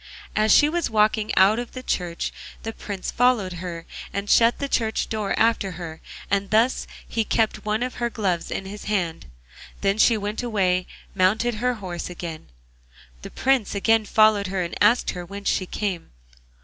As she was walking out of church the Prince followed her and shut the church door after her, and thus he kept one of her gloves in his hand. Then she went away and mounted her horse again; the Prince again followed her, and asked her whence she came.